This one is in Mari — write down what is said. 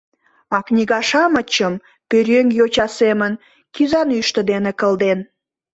А книга-шамычым пӧръеҥ йоча семын кӱзанӱштӧ дене кылден.